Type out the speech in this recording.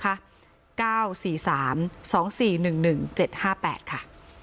เก้าสี่สามสองสี่หนึ่งหนึ่งเจ็ดห้าแปดค่ะ